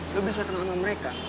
lo bisa kenal sama mereka